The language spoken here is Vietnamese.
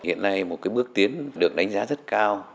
hiện nay một cái bước tiến được đánh giá rất cao